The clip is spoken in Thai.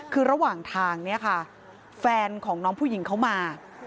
คือระหว่างทางเนี่ยค่ะแฟนของน้องผู้หญิงเขามา